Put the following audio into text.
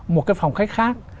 một cái phòng khách khác